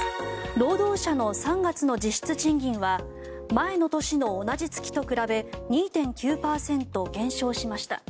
労働者の３月の実質賃金は前の年の同じ月と比べ２．９％減少しました。